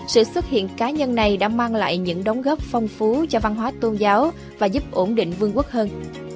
sự xuất hiện cá nhân này đã mang lại những đóng góp phong phú cho văn hóa tôn giáo và giúp ổn định vương quốc hơn